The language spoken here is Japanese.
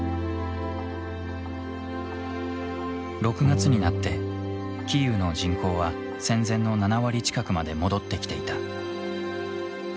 ６月になってキーウの人口は戦前の７割近くまで戻ってきていた。